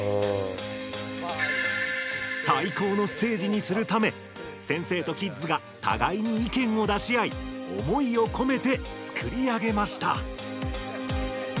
最高のステージにするため先生とキッズがたがいに意見を出しあい思いを込めてつくりあげました。